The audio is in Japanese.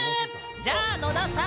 じゃあ野田さん。